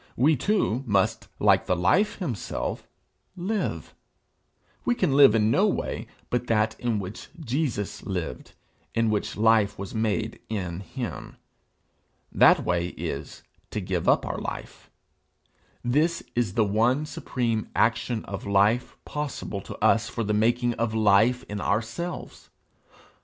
We too must, like the Life himself, live. We can live in no way but that in which Jesus lived, in which life was made in him. That way is, to give up our life. This is the one supreme action of life possible to us for the making of life in ourselves.